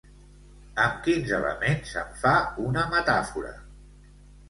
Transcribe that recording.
Amb quins elements en fa una metàfora?